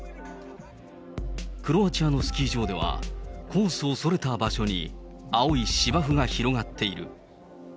クロアチアのスキー場ではコースをそれた場所に、青い芝生が広がっている。